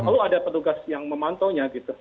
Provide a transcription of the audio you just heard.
lalu ada pedugas yang memantau nya gitu